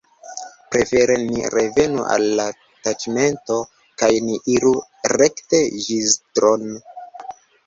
Prefere ni revenu al la taĉmento kaj ni iru rekte Ĵizdro'n.